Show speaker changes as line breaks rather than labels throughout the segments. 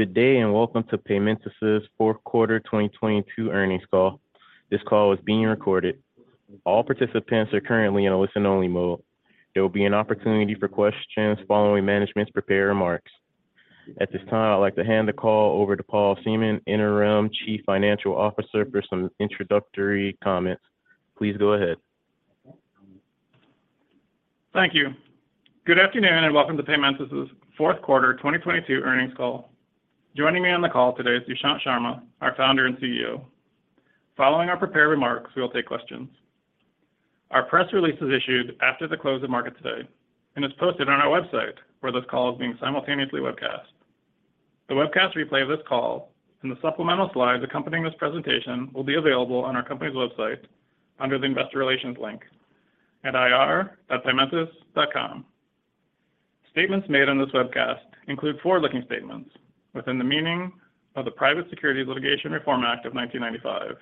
Good day, welcome to Paymentus's fourth quarter 2022 earnings call. This call is being recorded. All participants are currently in a listen-only mode. There will be an opportunity for questions following management's prepared remarks. At this time, I'd like to hand the call over to Paul Seamon, Interim Chief Financial Officer, for some introductory comments. Please go ahead.
Thank you. Good afternoon, and welcome to Paymentus's fourth quarter 2022 earnings call. Joining me on the call today is Dushyant Sharma, our Founder and CEO. Following our prepared remarks, we will take questions. Our press release is issued after the close of market today and is posted on our website where this call is being simultaneously webcast. The webcast replay of this call and the supplemental slides accompanying this presentation will be available on our company's website under the Investor Relations link at ir.paymentus.com. Statements made on this webcast include forward-looking statements within the meaning of the Private Securities Litigation Reform Act of 1995.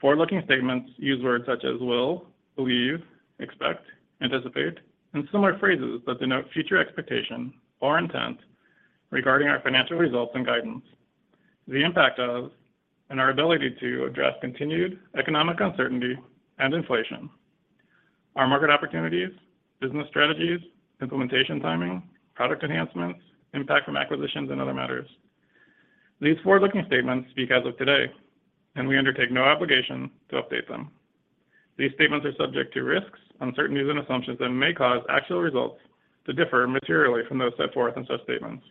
Forward-looking statements use words such as will, believe, expect, anticipate, and similar phrases that denote future expectation or intent regarding our financial results and guidance, the impact of and our ability to address continued economic uncertainty and inflation, our market opportunities, business strategies, implementation timing, product enhancements, impact from acquisitions, and other matters. These forward-looking statements speak as of today, and we undertake no obligation to update them. These statements are subject to risks, uncertainties, and assumptions that may cause actual results to differ materially from those set forth in such statements,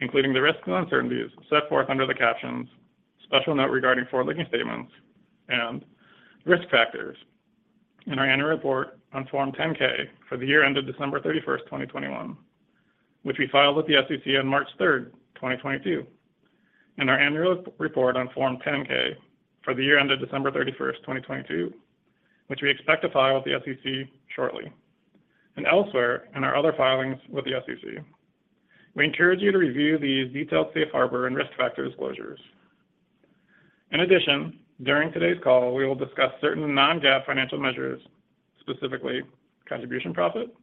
including the risks and uncertainties set forth under the captions Special Note Regarding Forward-Looking Statements and Risk Factors in our annual report on Form 10-K for the year ended December 31st, 2021, which we filed with the SEC on March 3rd, 2022, and our annual report on Form 10-K for the year ended December 31st, 2022, which we expect to file with the SEC shortly, and elsewhere in our other filings with the SEC. We encourage you to review these detailed safe harbor and risk factor disclosures. In addition, during today's call, we will discuss certain non-GAAP financial measures, specifically contribution profit,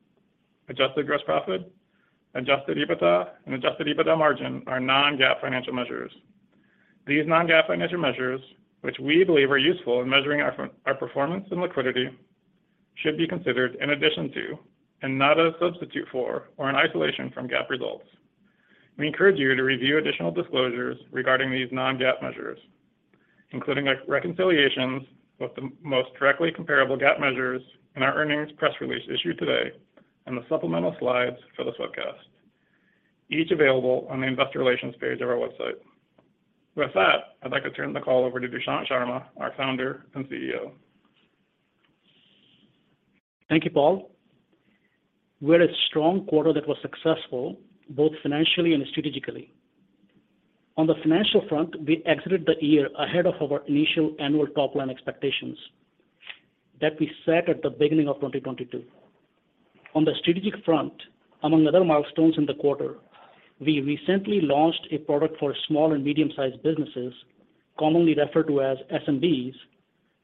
adjusted gross profit, adjusted EBITDA, and adjusted EBITDA margin, our non-GAAP financial measures. These non-GAAP financial measures, which we believe are useful in measuring our performance and liquidity, should be considered in addition to and not as a substitute for or in isolation from GAAP results. We encourage you to review additional disclosures regarding these non-GAAP measures, including reconciliations with the most directly comparable GAAP measures in our earnings press release issued today and the supplemental slides for this webcast, each available on the Investor Relations page of our website. With that, I'd like to turn the call over to Dushyant Sharma, our Founder and CEO.
Thank you, Paul. We had a strong quarter that was successful both financially and strategically. On the financial front, we exited the year ahead of our initial annual top-line expectations that we set at the beginning of 2022. On the strategic front, among other milestones in the quarter, we recently launched a product for small and medium-sized businesses, commonly referred to as SMBs,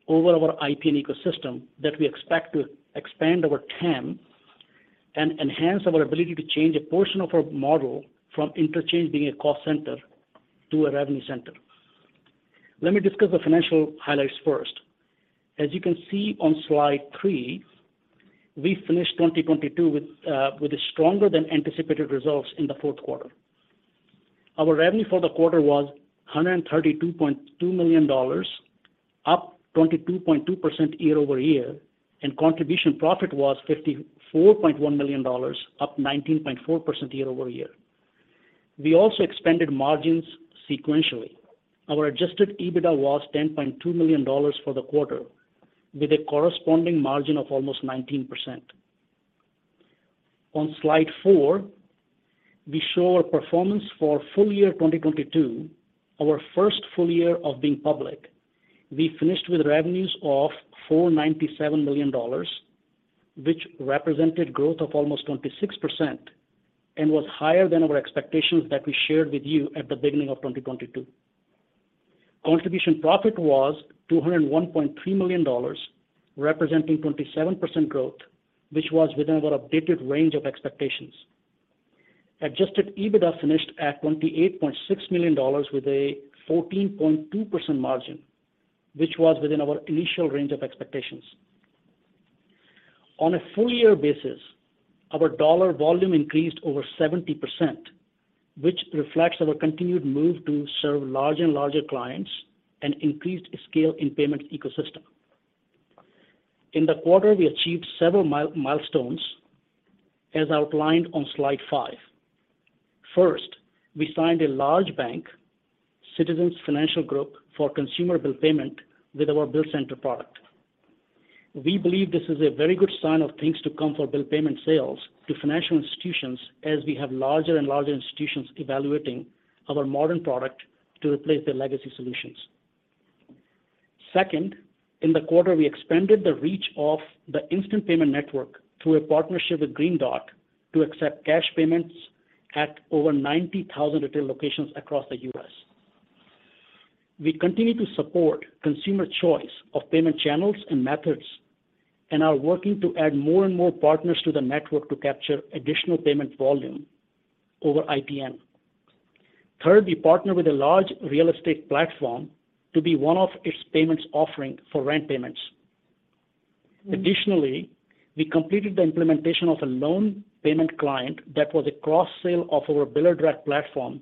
over our IPN ecosystem that we expect to expand our TAM and enhance our ability to change a portion of our model from interchange being a cost center to a revenue center. Let me discuss the financial highlights first. As you can see on slide three, we finished 2022 with a stronger than anticipated results in the fourth quarter. Our revenue for the quarter was $132.2 million, up 22.2% year-over-year, and contribution profit was $54.1 million, up 19.4% year-over-year. We also expanded margins sequentially. Our adjusted EBITDA was $10.2 million for the quarter, with a corresponding margin of almost 19%. On slide four, we show our performance for full year 2022, our first full year of being public. We finished with revenues of $497 million, which represented growth of almost 26% and was higher than our expectations that we shared with you at the beginning of 2022. Contribution profit was $201.3 million, representing 27% growth, which was within our updated range of expectations. Adjusted EBITDA finished at $28.6 million with a 14.2% margin, which was within our initial range of expectations. On a full year basis, our dollar volume increased over 70%, which reflects our continued move to serve larger and larger clients and increased scale in payment ecosystem. In the quarter, we achieved several milestones, as outlined on slide five. First, we signed a large bank, Citizens Financial Group, for consumer bill payment with our Bill Center product. We believe this is a very good sign of things to come for bill payment sales to financial institutions as we have larger and larger institutions evaluating our modern product to replace their legacy solutions. Second, in the quarter, we expanded the reach of the Instant Payment Network through a partnership with Green Dot to accept cash payments at over 90,000 retail locations across the U.S. We continue to support consumer choice of payment channels and methods, and are working to add more and more partners to the network to capture additional payment volume over IPN. Third, we partnered with a large real estate platform to be one of its payments offering for rent payments. Additionally, we completed the implementation of a loan payment client that was a cross-sale of our Biller Direct platform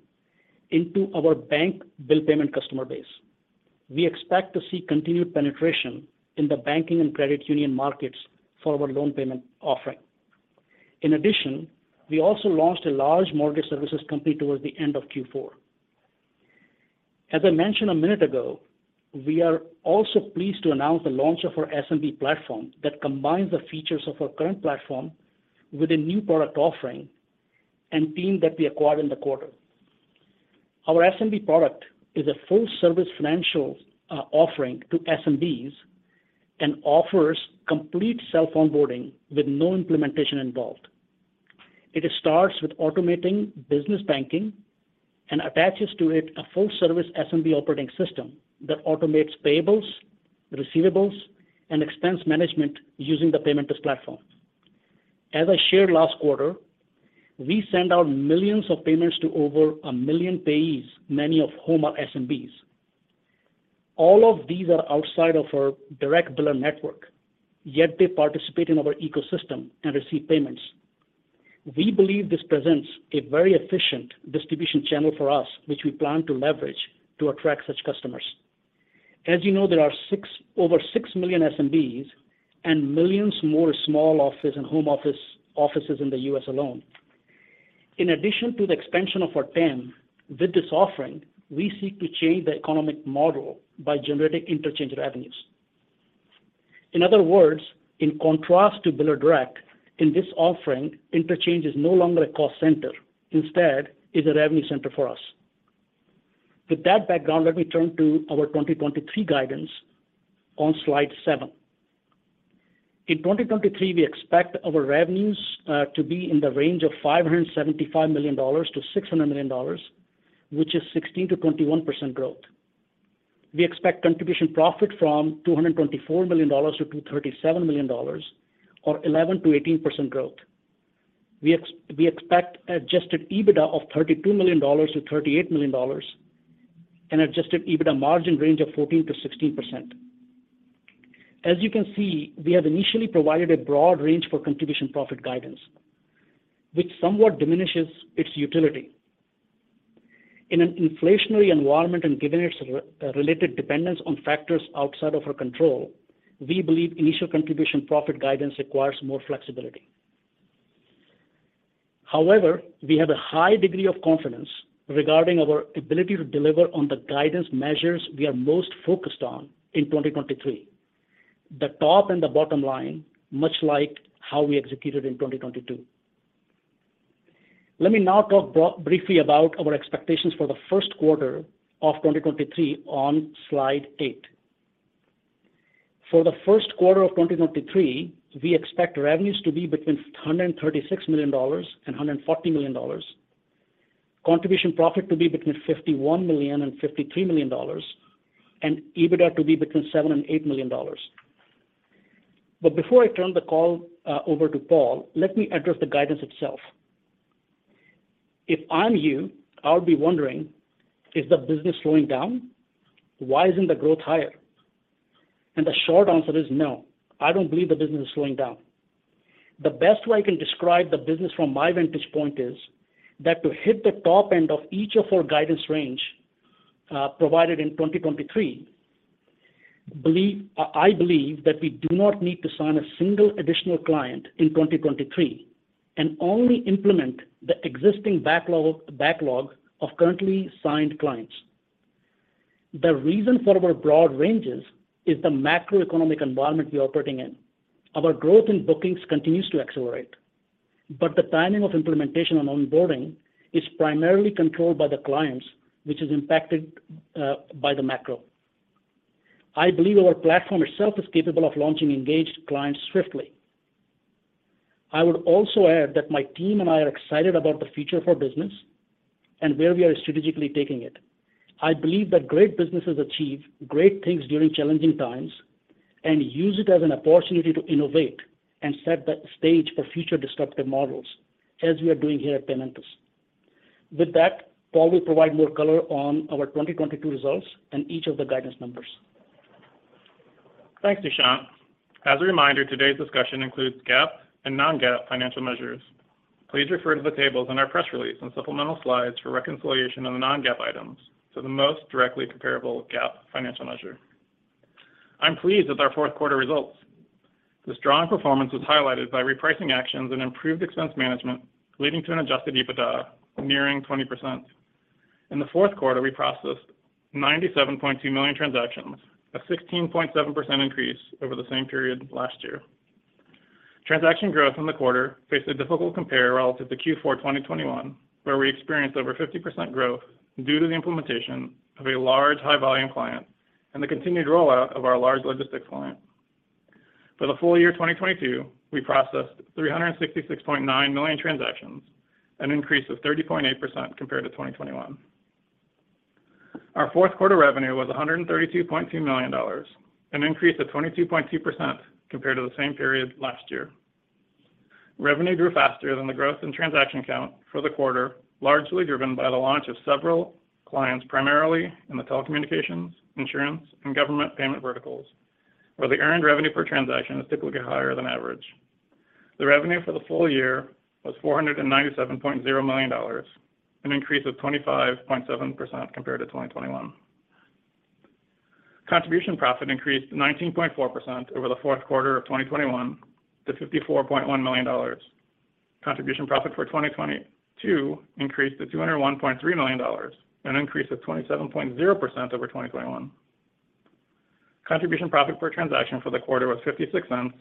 into our bank bill payment customer base. We expect to see continued penetration in the banking and credit union markets for our loan payment offering. In addition, we also launched a large mortgage services company towards the end of Q4. As I mentioned a minute ago, we are also pleased to announce the launch of our SMB platform that combines the features of our current platform with a new product offering and team that we acquired in the quarter. Our SMB product is a full-service financial offering to SMBs and offers complete self-onboarding with no implementation involved. It starts with automating business banking and attaches to it a full-service SMB operating system that automates payables, receivables, and expense management using the Paymentus platform. As I shared last quarter, we send out millions of payments to over 1 million payees, many of whom are SMBs. All of these are outside of our direct biller network, yet they participate in our ecosystem and receive payments. We believe this presents a very efficient distribution channel for us, which we plan to leverage to attract such customers. As you know, there are over 6 million SMBs and millions more small office and home office, offices in the U.S. alone. In addition to the expansion of our TAM, with this offering, we seek to change the economic model by generating interchange revenues. In other words, in contrast to Biller Direct, in this offering, interchange is no longer a cost center. Instead, it's a revenue center for us. With that background, let me turn to our 2023 guidance on slide seven. In 2023, we expect our revenues to be in the range of $575 million-$600 million, which is 16%-21% growth. We expect contribution profit from $224 million-$237 million, or 11%-18% growth. We expect adjusted EBITDA of $32 million-$38 million and adjusted EBITDA margin range of 14%-16%. As you can see, we have initially provided a broad range for contribution profit guidance, which somewhat diminishes its utility. In an inflationary environment and given its related dependence on factors outside of our control, we believe initial contribution profit guidance requires more flexibility. However, we have a high degree of confidence regarding our ability to deliver on the guidance measures we are most focused on in 2023. The top and the bottom line, much like how we executed in 2022. Let me now talk briefly about our expectations for the first quarter of 2023 on slide eight. For the first quarter of 2023, we expect revenues to be between $136 million and $140 million. Contribution profit to be between $51 million and $53 million, EBITDA to be between $7 million and $8 million. Before I turn the call over to Paul, let me address the guidance itself. If I'm you, I would be wondering, "Is the business slowing down? Why isn't the growth higher?" The short answer is no. I don't believe the business is slowing down. The best way I can describe the business from my vantage point is that to hit the top end of each of our guidance range, provided in 2023, I believe that we do not need to sign a single additional client in 2023 and only implement the existing backlog of currently signed clients. The reason for our broad ranges is the macroeconomic environment we're operating in. Our growth in bookings continues to accelerate, but the timing of implementation on onboarding is primarily controlled by the clients, which is impacted by the macro. I believe our platform itself is capable of launching engaged clients swiftly. I would also add that my team and I are excited about the future of our business and where we are strategically taking it.I believe that great businesses achieve great things during challenging times and use it as an opportunity to innovate and set the stage for future disruptive models as we are doing here at Paymentus. With that, Paul will provide more color on our 2022 results and each of the guidance numbers.
Thanks, Dushyant. As a reminder, today's discussion includes GAAP and non-GAAP financial measures. Please refer to the tables in our press release and supplemental slides for reconciliation of the non-GAAP items for the most directly comparable GAAP financial measure. I'm pleased with our fourth quarter results. The strong performance was highlighted by repricing actions and improved expense management, leading to an adjusted EBITDA nearing 20%. In the fourth quarter, we processed 97.2 million transactions, a 16.7% increase over the same period last year. Transaction growth in the quarter faced a difficult compare relative to Q4 2021, where we experienced over 50% growth due to the implementation of a large high-volume client and the continued rollout of our large logistics client. For the full year 2022, we processed 366.9 million transactions, an increase of 30.8% compared to 2021. Our fourth quarter revenue was $132.2 million, an increase of 22.2% compared to the same period last year. Revenue grew faster than the growth in transaction count for the quarter, largely driven by the launch of several clients, primarily in the telecommunications, insurance, and government payment verticals, where the earned revenue per transaction is typically higher than average. The revenue for the full year was $497.0 million, an increase of 25.7% compared to 2021. Contribution profit increased 19.4% over the fourth quarter of 2021 to $54.1 million. Contribution profit for 2022 increased to $201.3 million, an increase of 27.0% over 2021. Contribution profit per transaction for the quarter was $0.56,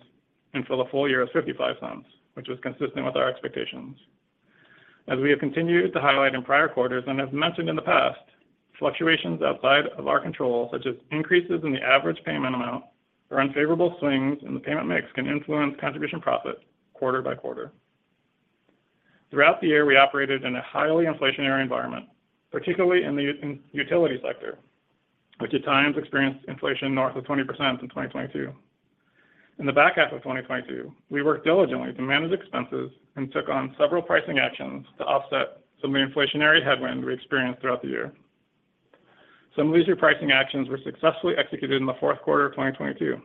and for the full year was $0.55, which was consistent with our expectations. As we have continued to highlight in prior quarters and have mentioned in the past, fluctuations outside of our control, such as increases in the average payment amount or unfavorable swings in the payment mix, can influence contribution profit quarter by quarter. Throughout the year, we operated in a highly inflationary environment, particularly in the utility sector, which at times experienced inflation north of 20% in 2022. In the back half of 2022, we worked diligently to manage expenses and took on several pricing actions to offset some of the inflationary headwinds we experienced throughout the year. Some of these pricing actions were successfully executed in the fourth quarter of 2022.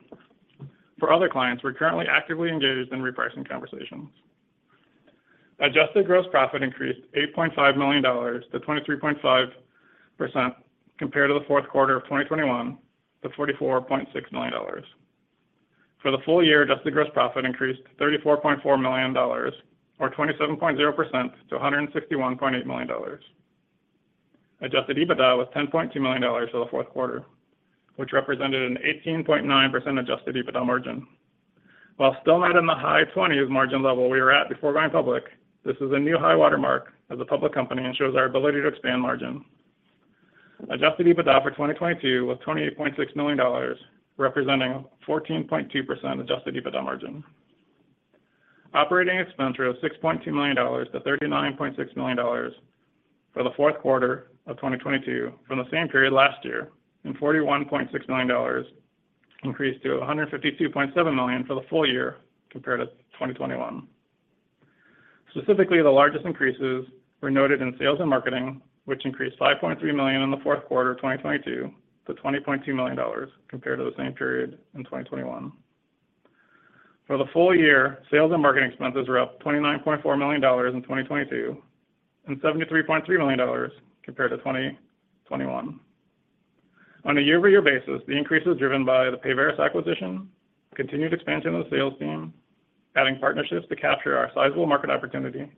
For other clients, we're currently actively engaged in repricing conversations. Adjusted gross profit increased $8.5 million to 23.5% compared to the fourth quarter of 2021 to $44.6 million. For the full year, adjusted gross profit increased to $34.4 million or 27.0% to $161.8 million. Adjusted EBITDA was $10.2 million for the fourth quarter, which represented an 18.9% adjusted EBITDA margin. While still not in the high twenties margin level we were at before going public, this is a new high watermark as a public company and shows our ability to expand margin. Adjusted EBITDA for 2022 was $28.6 million, representing a 14.2% adjusted EBITDA margin. Operating expense grew $6.2 million to $39.6 million for the fourth quarter of 2022 from the same period last year, and $41.6 million increased to $152.7 million for the full year compared to 2021. Specifically, the largest increases were noted in sales and marketing, which increased $5.3 million in the fourth quarter of 2022 to $20.2 million compared to the same period in 2021. For the full year, sales and marketing expenses were up $29.4 million in 2022 and $73.3 million compared to 2021. On a year-over-year basis, the increase is driven by the Payveris acquisition, continued expansion of the sales team, adding partnerships to capture our sizable market opportunity,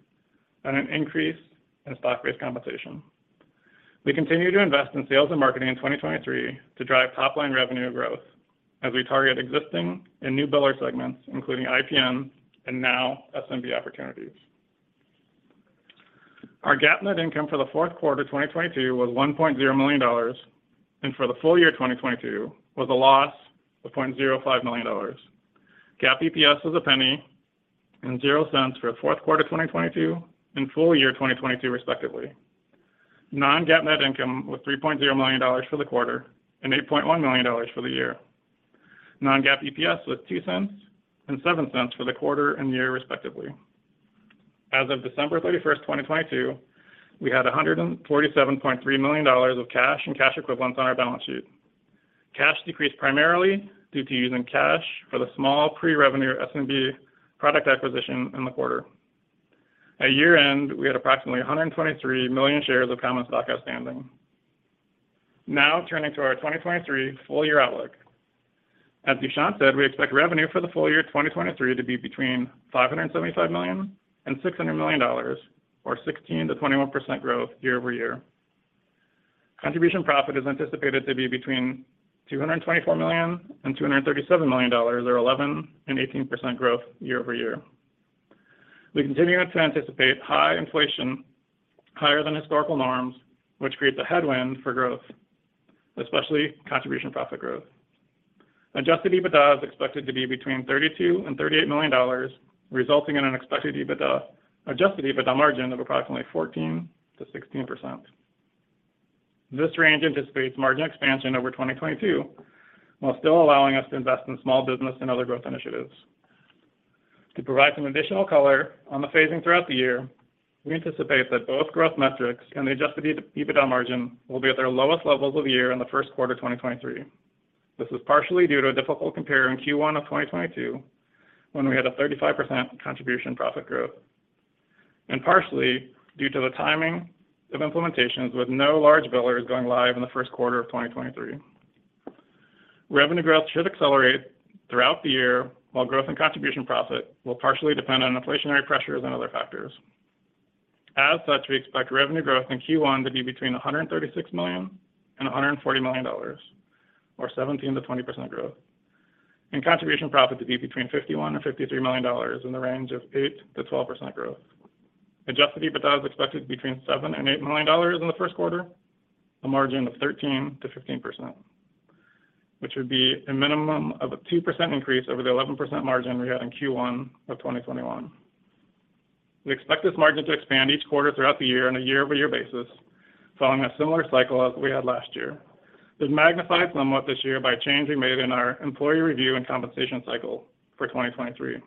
and an increase in stock-based compensation. We continue to invest in sales and marketing in 2023 to drive top-line revenue growth as we target existing and new biller segments, including IPN and now SMB opportunities. Our GAAP net income for the fourth quarter 2022 was $1.0 million. For the full year 2022 was a loss of $0.05 million. GAAP EPS was $0.01 for fourth quarter 2022 and full year 2022 respectively. Non-GAAP net income was $3.0 million for the quarter and $8.1 million for the year. Non-GAAP EPS was $0.02 and $0.07 for the quarter and year respectively. As of December 31st, 2022, we had $147.3 million of cash and cash equivalents on our balance sheet. Cash decreased primarily due to using cash for the small pre-revenue SMB product acquisition in the quarter. At year-end, we had approximately 123 million shares of common stock outstanding. Turning to our 2023 full year outlook. As Dushyant said, we expect revenue for the full year 2023 to be between $575 million and $600 million or 16%-21% growth year-over-year. Contribution profit is anticipated to be between $224 million and $237 million or 11% and 18% growth year-over-year. We continue to anticipate high inflation higher than historical norms, which creates a headwind for growth, especially contribution profit growth. Adjusted EBITDA is expected to be between $32 million and $38 million, resulting in an expected adjusted EBITDA margin of approximately 14%-16%. This range anticipates margin expansion over 2022, while still allowing us to invest in small business and other growth initiatives. To provide some additional color on the phasing throughout the year, we anticipate that both growth metrics and the adjusted EBITDA margin will be at their lowest levels of the year in the first quarter 2023. This is partially due to a difficult compare in Q1 of 2022, when we had a 35% contribution profit growth, and partially due to the timing of implementations, with no large billers going live in the first quarter of 2023. Revenue growth should accelerate throughout the year, while growth and contribution profit will partially depend on inflationary pressures and other factors. As such, we expect revenue growth in Q1 to be between $136 million and $140 million or 17%-20% growth, and contribution profit to be between $51 million and $53 million in the range of 8%-12% growth. Adjusted EBITDA is expected to be between $7 million and $8 million in the first quarter, a margin of 13%-15%, which would be a minimum of a 2% increase over the 11% margin we had in Q1 of 2021. We expect this margin to expand each quarter throughout the year on a year-over-year basis, following a similar cycle as we had last year. It is magnified somewhat this year by a change we made in our employee review and compensation cycle for 2023.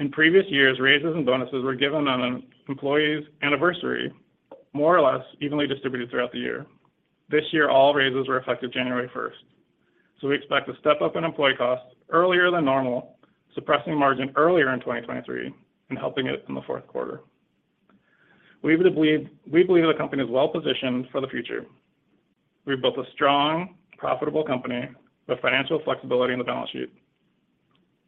In previous years, raises and bonuses were given on an employee's anniversary, more or less evenly distributed throughout the year. This year, all raises were effective January 1st. We expect to step up on employee costs earlier than normal, suppressing margin earlier in 2023 and helping it in the 4th quarter. We believe the company is well-positioned for the future. We're both a strong, profitable company with financial flexibility in the balance sheet.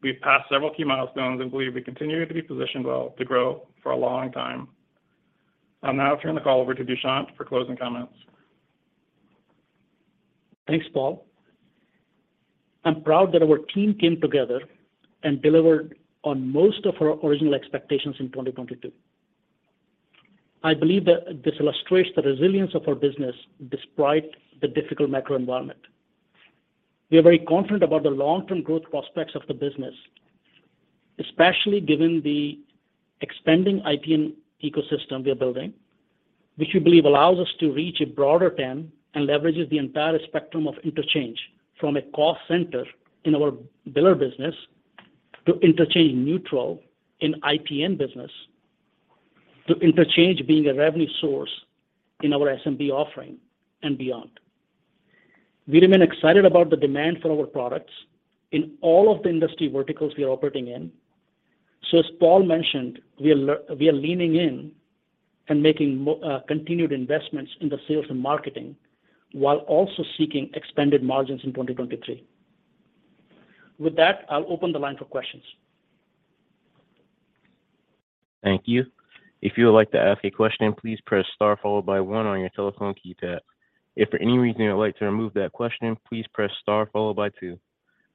We've passed several key milestones and believe we continue to be positioned well to grow for a long time. I'll now turn the call over to Dushyant for closing comments.
Thanks, Paul. I'm proud that our team came together and delivered on most of our original expectations in 2022. I believe that this illustrates the resilience of our business despite the difficult macro environment. We are very confident about the long-term growth prospects of the business, especially given the expanding IPN ecosystem we are building, which we believe allows us to reach a broader TAM and leverages the entire spectrum of interchange from a cost center in our biller business, to interchange neutral in IPN business, to interchange being a revenue source in our SMB offering and beyond. We remain excited about the demand for our products in all of the industry verticals we are operating in. As Paul mentioned, we are leaning in and making continued investments in the sales and marketing while also seeking expanded margins in 2023. With that, I'll open the line for questions.
Thank you. If you would like to ask a question, please press star followed by one on your telephone keypad. If for any reason you would like to remove that question, please press star followed by two.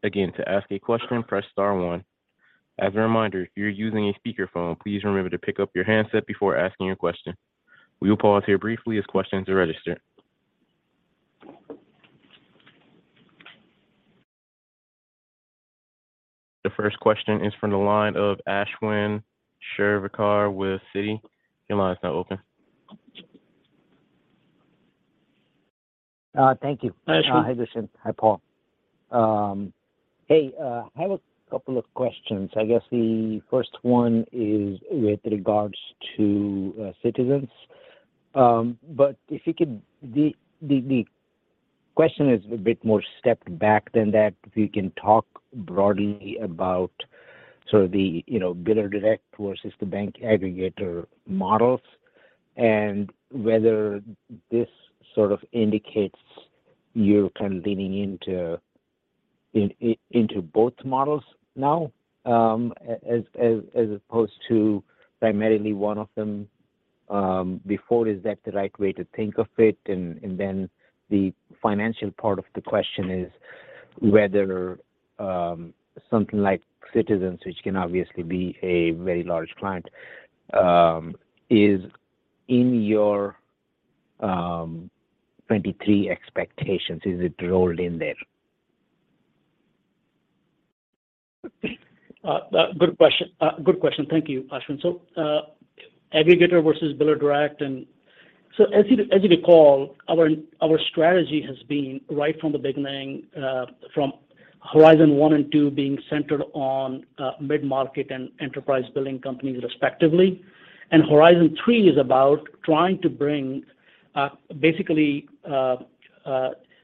Again, to ask a question, press star one. As a reminder, if you're using a speakerphone, please remember to pick up your handset before asking your question. We will pause here briefly as questions are registered. The first question is from the line of Ashwin Shirvaikar with Citi. Your line is now open.
Thank you.
Ashwin?
Hi, Dushyant. Hi, Paul. Hey, I have a couple of questions. I guess the first one is with regards to Citizens. The question is a bit more stepped back than that. If you can talk broadly about sort of the, you know, Biller Direct versus the bank aggregator models and whether this sort of indicates you're kind of leaning into both models now, as opposed to primarily one of them before. Is that the right way to think of it? The financial part of the question is whether something like Citizens, which can obviously be a very large client, is in your 23 expectations, is it rolled in there?
Good question. Thank you, Ashwin. Aggregator versus Biller Direct. As you, as you recall, our strategy has been right from the beginning, from Horizon 1 and 2 being centered on, mid-market and enterprise billing companies respectively. Horizon 3 is about trying to bring, basically,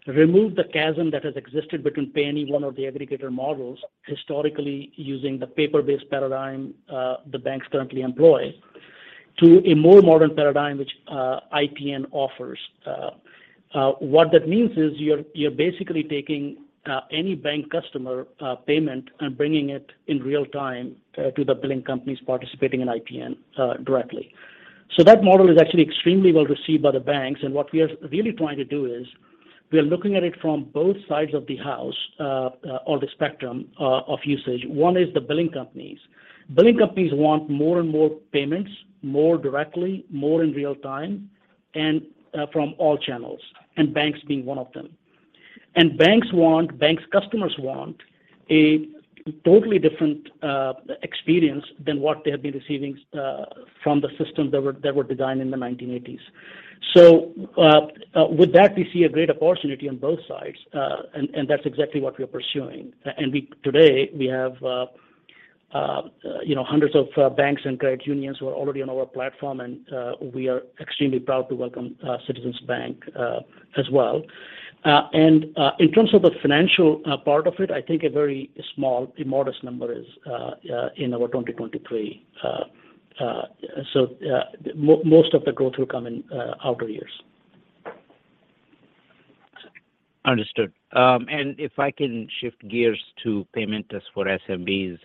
remove the chasm that has existed between pay anyone or the aggregator models historically using the paper-based paradigm, the banks currently employ, to a more modern paradigm which, IPN offers. What that means is you're basically taking, any bank customer, payment and bringing it in real time, to the billing companies participating in IPN, directly. That model is actually extremely well received by the banks. What we are really trying to do is we are looking at it from both sides of the house, or the spectrum, of usage. One is the billing companies. Billing companies want more and more payments, more directly, more in real time, and from all channels, and banks being one of them. Banks customers want a totally different experience than what they have been receiving from the systems that were, that were designed in the 1980s. With that, we see a great opportunity on both sides. That's exactly what we are pursuing. Today, we have, you know, hundreds of banks and credit unions who are already on our platform and we are extremely proud to welcome Citizens Bank as well. In terms of the financial part of it, I think a very small, a modest number is in our 2023. Most of the growth will come in outer years.
Understood. If I can shift gears to Paymentus just for SMBs,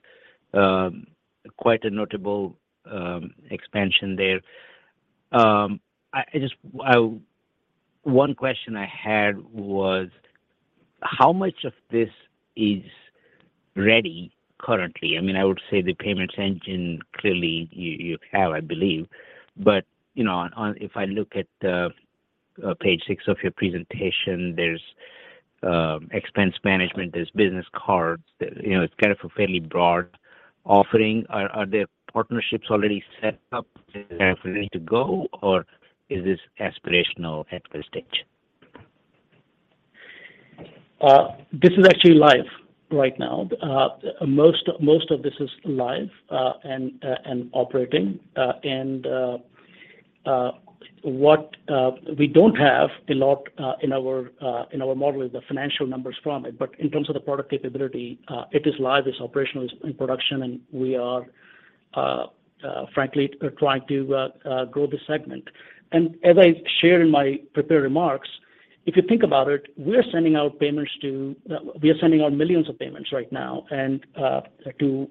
quite a notable expansion there. One question I had was: How much of this is ready currently? I mean, I would say the payments engine, clearly you have, I believe. You know, if I look at page six of your presentation, there's expense management, there's business cards. You know, it's kind of a fairly broad offering. Are there partnerships already set up and ready to go, or is this aspirational at this stage?
This is actually live right now. Most of this is live and operating. What we don't have a lot in our model is the financial numbers from it. But in terms of the product capability, it is live, it's operational, it's in production, and we are frankly trying to grow the segment. As I shared in my prepared remarks, if you think about it, We are sending out millions of payments right now and to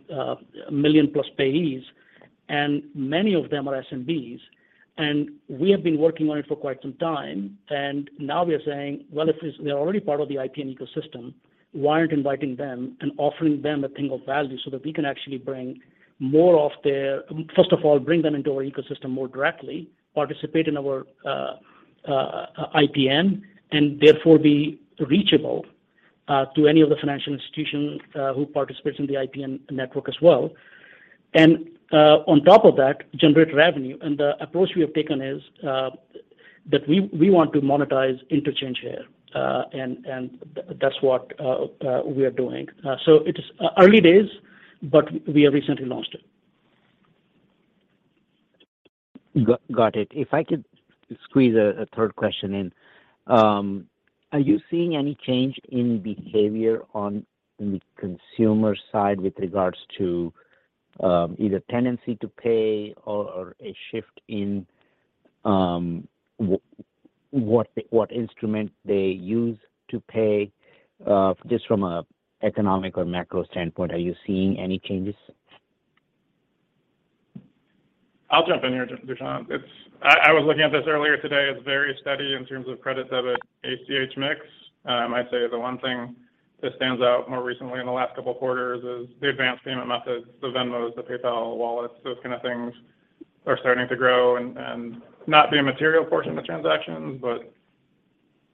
million-plus payees, and many of them are SMBs. We have been working on it for quite some time. Now we are saying, well, if they're already part of the IPN ecosystem, why aren't inviting them and offering them a thing of value so that we can actually bring more of their... First of all, bring them into our ecosystem more directly, participate in our IPN, and therefore be reachable to any of the financial institutions who participates in the IPN network as well. On top of that, generate revenue. The approach we have taken is that we want to monetize interchange here. That's what we are doing. So it is early days, but we have recently launched it.
Got it. If I could squeeze a third question in. Are you seeing any change in behavior on the consumer side with regards to either tendency to pay or a shift in what instrument they use to pay? Just from a economic or macro standpoint, are you seeing any changes?
I'll jump in here, Dushyant. I was looking at this earlier today. It's very steady in terms of credit debit, ACH mix. I'd say the one thing that stands out more recently in the last two quarters is the advanced payment methods, the Venmo, the PayPal wallets, those kind of things are starting to grow and not be a material portion of the transactions, but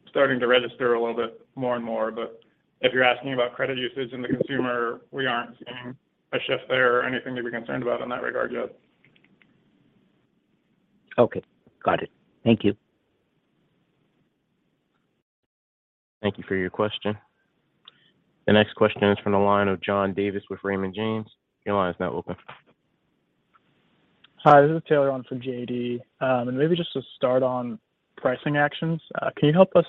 starting to register a little bit more and more. If you're asking about credit usage in the consumer, we aren't seeing a shift there or anything to be concerned about in that regard yet.
Okay. Got it. Thank you.
Thank you for your question. The next question is from the line of John Davis with Raymond James. Your line is now open.
Hi, this is Taylor on for JD. Maybe just to start on pricing actions. Can you help us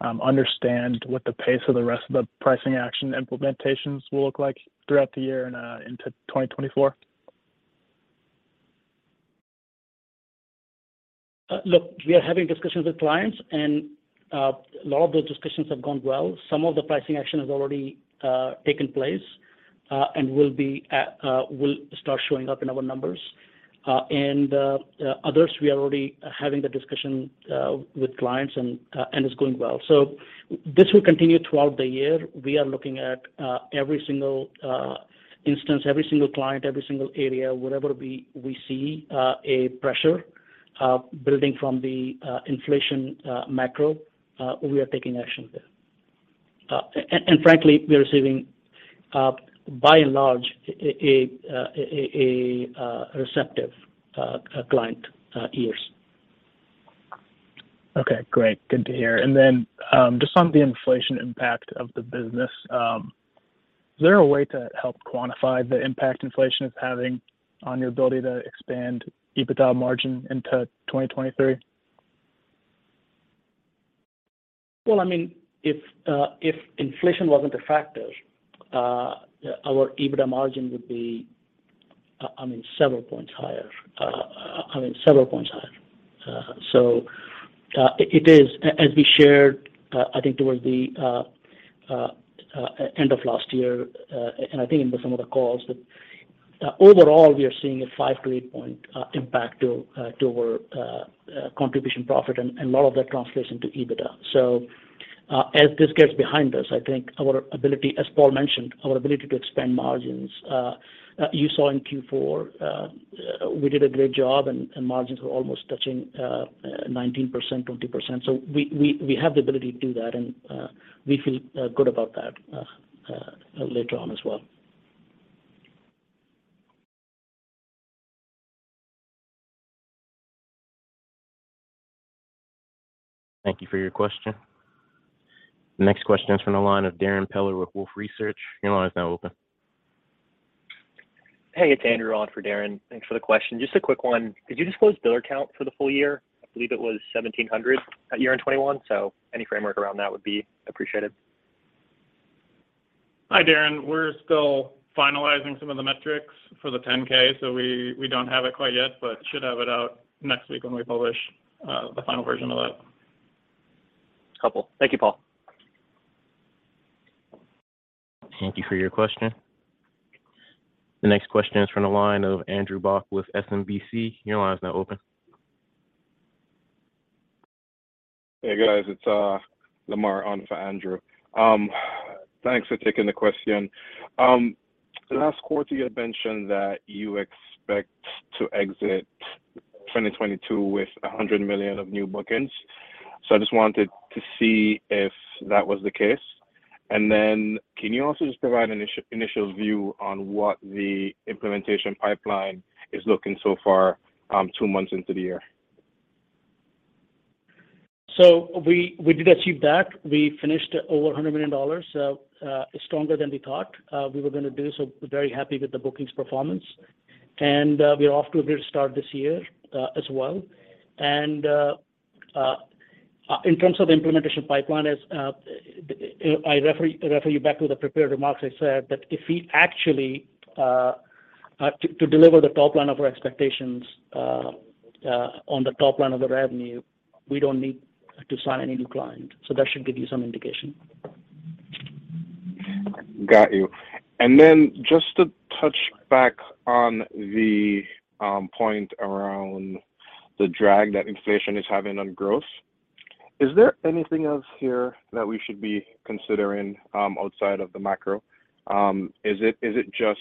understand what the pace of the rest of the pricing action implementations will look like throughout the year and into 2024?
Look, we are having discussions with clients. A lot of those discussions have gone well. Some of the pricing action has already taken place and will start showing up in our numbers. Others, we are already having the discussion with clients and it's going well. This will continue throughout the year. We are looking at every single instance, every single client, every single area. Wherever we see a pressure building from the inflation macro, we are taking action there. And frankly, we are receiving by and large a receptive client ears.
Okay, great. Good to hear. Just on the inflation impact of the business, is there a way to help quantify the impact inflation is having on your ability to expand EBITDA margin into 2023?
Well, I mean, if inflation wasn't a factor, our EBITDA margin would be, I mean, several points higher. I mean, several points higher. As we shared, I think towards the end of last year, and I think in some of the calls, but overall, we are seeing a five to eight point impact to to our contribution profit, and a lot of that translates into EBITDA. As this gets behind us, I think our ability, as Paul mentioned, our ability to expand margins, you saw in Q4, we did a great job and margins were almost touching 19%-20%. We have the ability to do that, and we feel good about that later on as well.
Thank you for your question. The next question is from the line of Darrin Peller with Wolfe Research. Your line is now open.
Hey, it's Andrew on for Darrin. Thanks for the question. Just a quick one. Could you disclose biller count for the full year? I believe it was 1,700 at year-end 2021. Any framework around that would be appreciated.
Hi, Darrin. We're still finalizing some of the metrics for the 10-K, so we don't have it quite yet, but should have it out next week when we publish the final version of that.
Couple. Thank you, Paul.
Thank you for your question. The next question is from the line of Andrew Bauch with SMBC. Your line is now open.
Hey, guys. It's Lamar on for Andrew. Thanks for taking the question. Last quarter you had mentioned that you expect to exit 2022 with $100 million of new bookings. I just wanted to see if that was the case. Can you also just provide an initial view on what the implementation pipeline is looking so far, two months into the year?
We did achieve that. We finished over $100 million, so stronger than we thought we were gonna do, so very happy with the bookings performance. We are off to a great start this year as well. In terms of the implementation pipeline is, I refer you back to the prepared remarks. I said that if we actually to deliver the top line of our expectations on the top line of the revenue, we don't need to sign any new client. That should give you some indication.
Got you. Just to touch back on the point around the drag that inflation is having on growth, is there anything else here that we should be considering outside of the macro? Is it just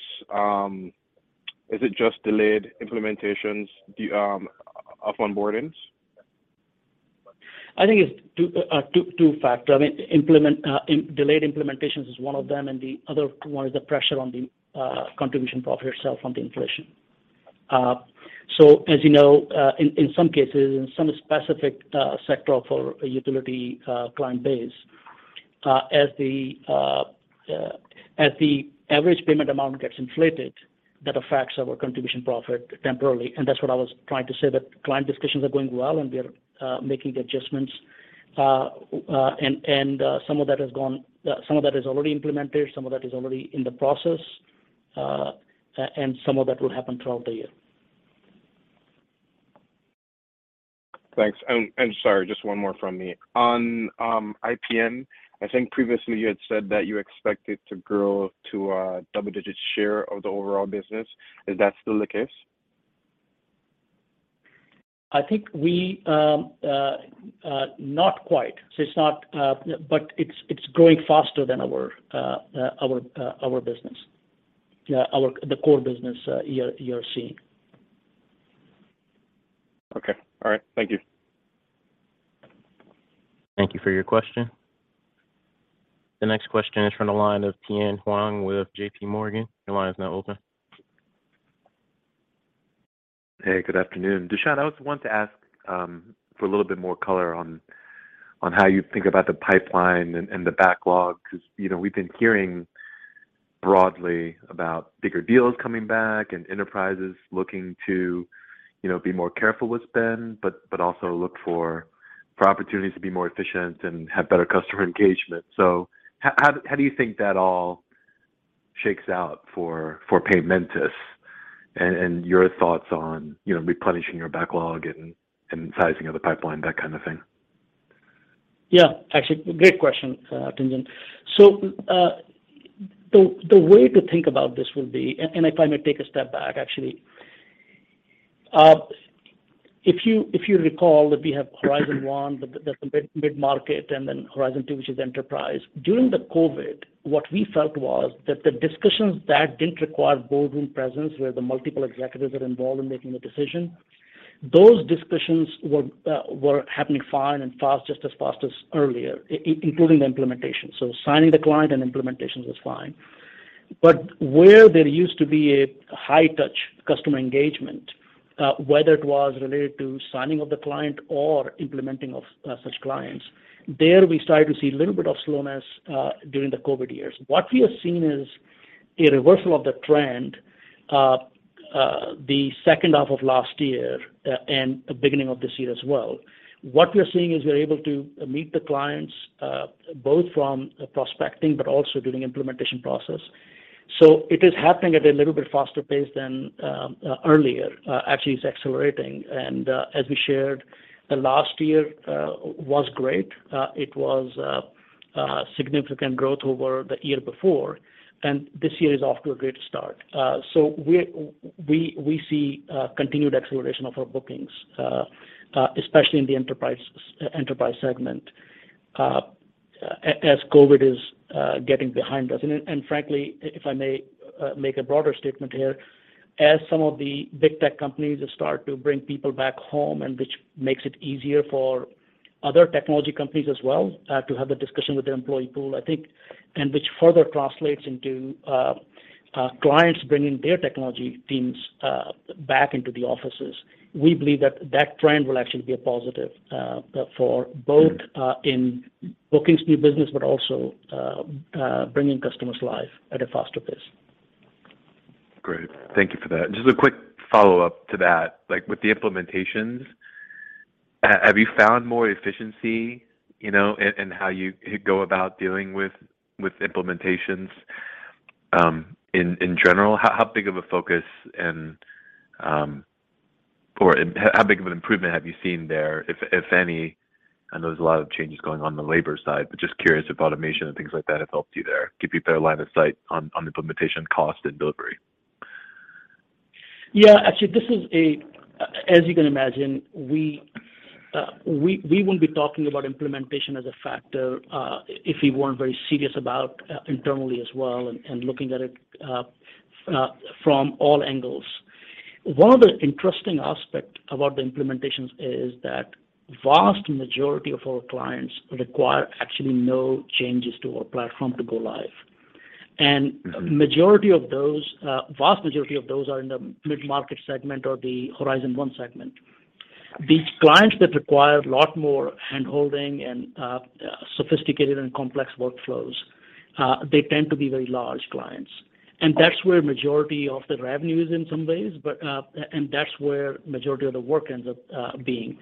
delayed implementations, the, of onboardings?
I think it's two factor. I mean, delayed implementations is one of them, and the other one is the pressure on the contribution profit itself on the inflation. As you know, in some cases, in some specific sector of our utility client base, as the average payment amount gets inflated, that affects our contribution profit temporarily. That's what I was trying to say, that client discussions are going well, and we are making adjustments. Some of that is already implemented, some of that is already in the process, and some of that will happen throughout the year.
Thanks. Sorry, just one more from me. On IPN, I think previously you had said that you expect it to grow to a double-digit share of the overall business. Is that still the case?
I think we not quite. It's not, but it's growing faster than our our our business. Yeah, the core business, you're seeing.
Okay. All right. Thank you.
Thank you for your question. The next question is from the line of Tien-tsin Huang with JPMorgan. Your line is now open.
Hey, good afternoon. Dushyant, I also want to ask for a little bit more color on how you think about the pipeline and the backlog. 'Cause, you know, we've been hearing broadly about bigger deals coming back and enterprises looking to, you know, be more careful with spend, but also look for opportunities to be more efficient and have better customer engagement. How do you think that all shakes out for Paymentus and your thoughts on, you know, replenishing your backlog and sizing of the pipeline, that kind of thing?
Actually, great question, Tien-tsin. The way to think about this would be, and if I may take a step back, actually. If you recall that we have Horizon 1, the mid-market, and then Horizon 2, which is enterprise. During the COVID, what we felt was that the discussions that didn't require boardroom presence, where the multiple executives are involved in making the decision, those discussions were happening fine and fast, just as fast as earlier, including the implementation. Signing the client and implementations was fine. Where there used to be a high touch customer engagement, whether it was related to signing of the client or implementing of such clients, there we started to see a little bit of slowness during the COVID years. What we have seen is a reversal of the trend, the second half of last year, and beginning of this year as well. What we're seeing is we're able to meet the clients, both from a prospecting but also during implementation process. It is happening at a little bit faster pace than earlier. Actually it's accelerating. As we shared, the last year was great. It was significant growth over the year before, and this year is off to a great start. We see continued acceleration of our bookings, especially in the enterprise segment, as COVID is getting behind us. Frankly, if I may make a broader statement here, as some of the big tech companies start to bring people back home, and which makes it easier for other technology companies as well, to have a discussion with their employee pool, I think, and which further translates into clients bringing their technology teams back into the offices. We believe that that trend will actually be a positive for both in bookings new business, but also bringing customers live at a faster pace.
Great. Thank you for that. Just a quick follow-up to that. Like, with the implementations, have you found more efficiency, you know, in how you go about dealing with implementations, in general? How big of a focus and how big of an improvement have you seen there, if any? I know there's a lot of changes going on the labor side, but just curious if automation and things like that have helped you there, give you a better line of sight on implementation cost and delivery.
Yeah. Actually, as you can imagine, we wouldn't be talking about implementation as a factor if we weren't very serious about internally as well and looking at it from all angles. One of the interesting aspect about the implementations is that vast majority of our clients require actually no changes to our platform to go live.
Mm-hmm.
Vast majority of those are in the mid-market segment or the Horizon 1 segment. These clients that require a lot more hand-holding and sophisticated and complex workflows, they tend to be very large clients. That's where majority of the revenue is in some ways, but that's where majority of the work ends up being.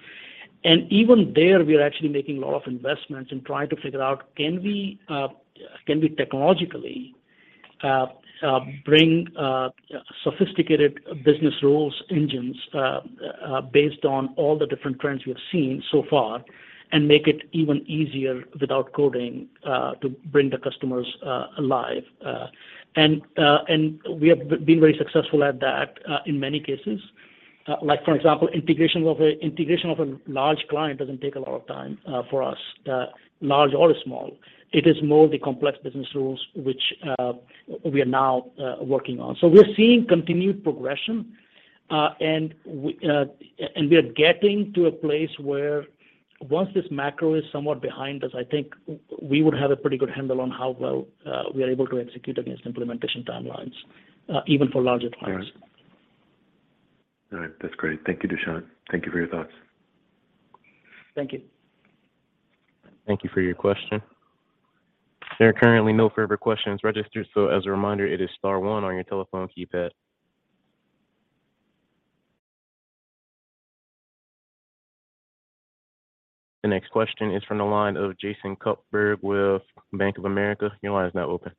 Even there, we are actually making a lot of investments and trying to figure out, can we technologically bring sophisticated business rules engines based on all the different trends we have seen so far and make it even easier without coding to bring the customers alive. We have been very successful at that in many cases. Like for example, integration of a large client doesn't take a lot of time for us, large or small. It is more the complex business rules which we are now working on. We're seeing continued progression, and we are getting to a place where once this macro is somewhat behind us, I think we would have a pretty good handle on how well we are able to execute against implementation timelines, even for larger clients.
All right. All right. That's great. Thank you, Dushyant. Thank you for your thoughts.
Thank you.
Thank you for your question. There are currently no further questions registered, so as a reminder, it is star one on your telephone keypad. The next question is from the line of Jason Kupferberg with Bank of America. Your line is now open.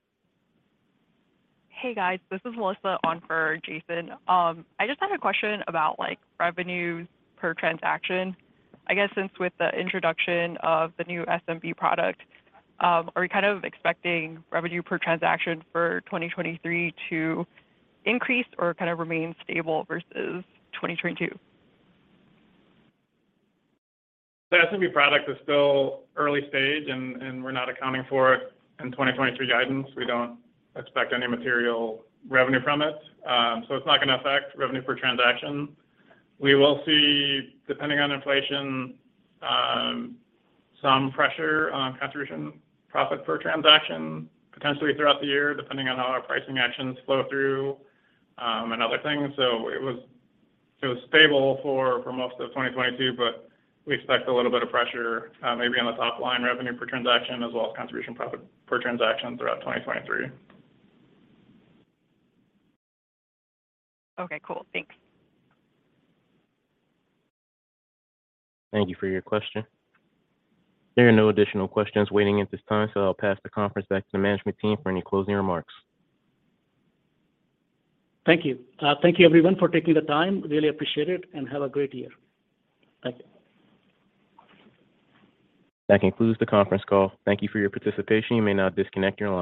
Hey, guys. This is Melissa on for Jason. I just had a question about, like, revenues per transaction. I guess since with the introduction of the new SMB product, are we kind of expecting revenue per transaction for 2023 to increase or kind of remain stable versus 2022?
The SMB product is still early stage and we're not accounting for it in 2023 guidance. We don't expect any material revenue from it. It's not gonna affect revenue per transaction. We will see, depending on inflation, some pressure on contribution profit per transaction, potentially throughout the year, depending on how our pricing actions flow through, and other things. It was stable for most of 2022, but we expect a little bit of pressure, maybe on the top line revenue per transaction as well as contribution profit per transaction throughout 2023.
Okay. Cool. Thanks.
Thank you for your question. There are no additional questions waiting at this time. I'll pass the conference back to the management team for any closing remarks.
Thank you. Thank you everyone for taking the time. Really appreciate it. Have a great year. Thank you.
That concludes the conference call. Thank you for your participation. You may now disconnect your lines.